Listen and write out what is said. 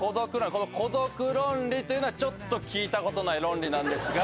この「孤独論理」というのがちょっと聞いたことない論理なんですが。